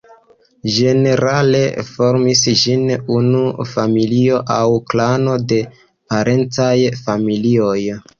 Ĝenerale formis ĝin unu familio aŭ klano de parencaj familioj.